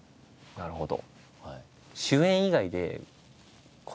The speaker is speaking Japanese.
なるほど。